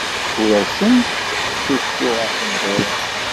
Ur asent-ttcuffuɣ aqendur.